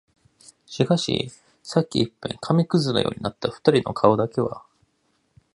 しかし、さっき一片紙屑のようになった二人の顔だけは、